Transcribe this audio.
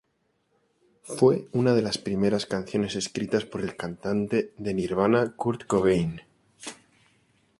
Fue una de las primeras canciones escritas por el cantante de Nirvana, Kurt Cobain.